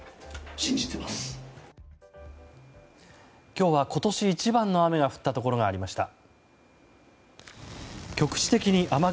今日は今年一番の雨が降ったところがありました。